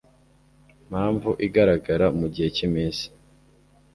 mpamvu igaragara mu gihe cy iminsi